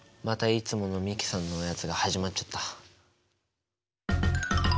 いつもの美樹さんのやつが始まっちゃった。